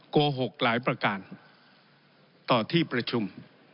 โกหกหลายประการต่อที่ประชุม